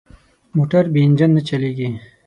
موټر بې انجن نه چلېږي.